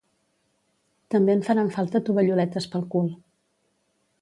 També em faran falta tovalloletes pel cul.